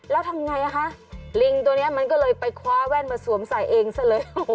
แล้วทำไงคะลิงตัวนี้มันก็เลยไปคว้าแว่นมาสวมใส่เองซะเลย